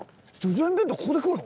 ここで食うの？